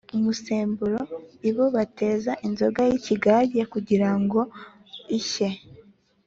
umusemburo: ibo bateza inzoga y’ikigage kugira ngo ishye